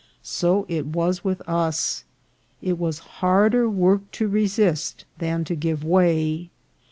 So it was with us. It was harder work to resist than to give way.